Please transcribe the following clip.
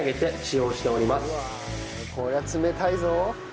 こりゃ冷たいぞ。